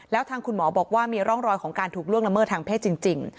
แล้วทางคุณหมอบอกว่ามีร่องรอยของการถูกล่วงละเมิดทางเพศจริง